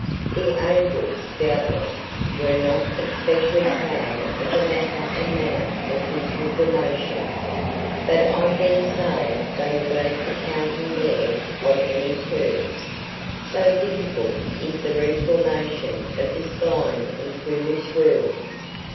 The angels, doubtless, were not especially proud of the matter and manner of his reformation, but I dare say they were glad to count him theirs on any terms, so difficult is the reformation of this blind and foolish world!